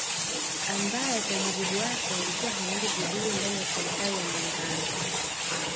Ambayo kwa mujibu wake yalikuwa hayaendi vizuri ndani ya serikali ya Muungano